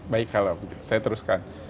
baik kalau begitu saya teruskan